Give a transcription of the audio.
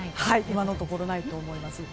今のところないと思います。